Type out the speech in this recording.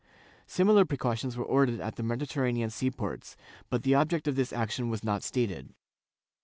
Similar pre cautions were ordered at the Mediterranean sea ports, but the object of this action was not stated.